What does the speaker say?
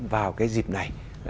vào cái dịp này